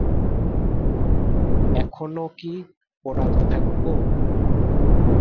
এখনও কি পোড়াতে থাকবো?